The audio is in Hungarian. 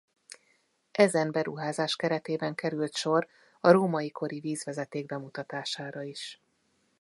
Ezen beruházás keretében került sor a római kori vízvezeték bemutatására is.